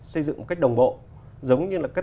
xây dựng một cách đồng bộ giống như là